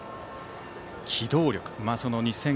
機動力